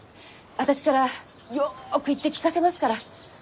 私からよく言って聞かせますから。